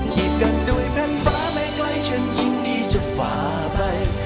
หยิบกันด้วยแผ่นฟ้าไม่ไกลฉันยินดีจะฝ่าไป